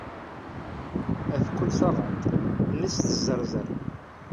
Af kull taɣaṭ, mmi-s d zerzer.